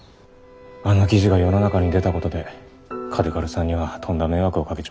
あの記事が世の中に出たことで嘉手刈さんにはとんだ迷惑をかけちまった。